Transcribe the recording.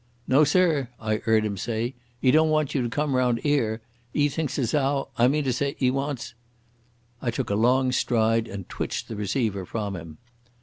"No, sir," I heard him say, "'e don't want you to come round 'ere. 'E thinks as 'ow—I mean to say, 'e wants—" I took a long stride and twitched the receiver from him.